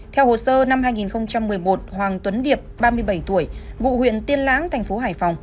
theo hồ sơ năm hai nghìn một mươi một hoàng tuấn điệp ba mươi bảy tuổi ngụ huyện tiên lãng thành phố hải phòng